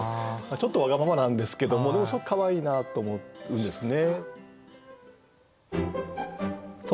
ちょっとわがままなんですけどでもすごくかわいいなと思うんですね。